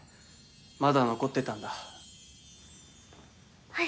まだ残ってたんだは